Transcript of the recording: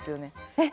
えっ？